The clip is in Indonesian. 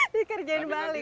dikerjain balik pak